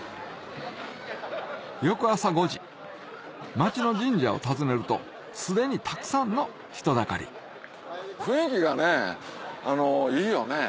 町の神社を訪ねると既にたくさんの人だかり雰囲気がねいいよね。